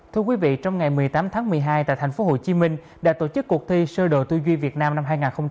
thưa quý vị trong ngày một mươi tám tháng một mươi hai tại thành phố hồ chí minh đã tổ chức cuộc thi sơ đồ tuy duy việt nam năm hai nghìn hai mươi một